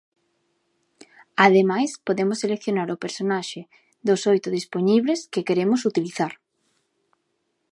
Ademais podemos seleccionar o personaxe dos oito dispoñibles que queremos utilizar.